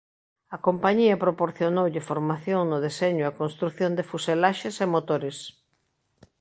A compañía proporcionoulle formación no deseño e construción de fuselaxes e motores.